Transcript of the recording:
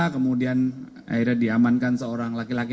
kemudian akhirnya diamankan seorang laki laki